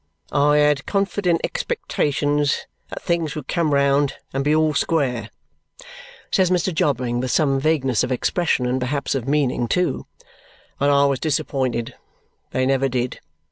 "I had confident expectations that things would come round and be all square," says Mr. Jobling with some vagueness of expression and perhaps of meaning too. "But I was disappointed. They never did.